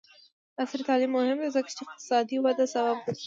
عصري تعلیم مهم دی ځکه چې اقتصادي وده سبب ګرځي.